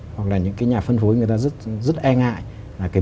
hoặc là những cái nhà phân phối người ta rất e ngại